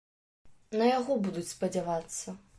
На яго будуць спадзявацца.